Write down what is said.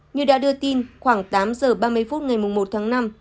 như đã đưa tin khoảng tám giờ ba mươi phút ngày một tháng năm